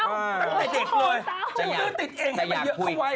เอ้าโหจะเกิดของตาหูแต่อยากซื้อติดเองให้มันเยอะไว้